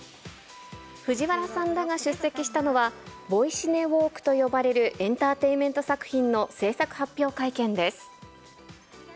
藤原さんらが出席したのは、ボイシネウォークと呼ばれるエンターテインメント作品の制作発表会見です。